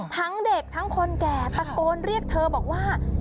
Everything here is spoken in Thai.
ทั้งเด็กทั้งคนแก่ตะโกนเรียกเธอบอกว่า